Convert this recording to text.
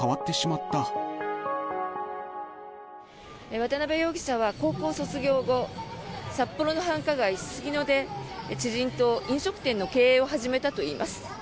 渡邉容疑は高校卒業後札幌の繁華街、すすきので知人と飲食店の経営を始めたといいます。